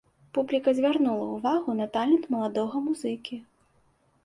Публіка звярнула ўвагу на талент маладога музыкі.